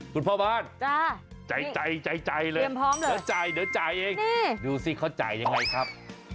คุณพ่อบ้านจ่ายเลยเดี๋ยวจ่ายเองดูสิเขาจ่ายยังไงครับ